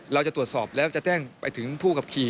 เราจะตรวจสอบแล้วจะแจ้งไปถึงผู้ขับขี่